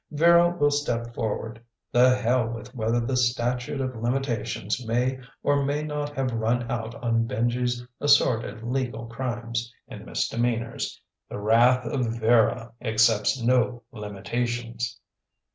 Vera will step forward. The hell with whether the statute of limitations may or may not have run out on Benji's assorted legal crimes and misdemeanors. The wrath of Vera accepts no limitations.